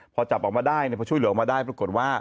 พอจับออกมาได้แล้วมาช่วยมาได้ปรากฏว่า